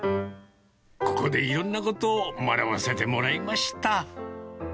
ここでいろんなことを学ばせてもらいました。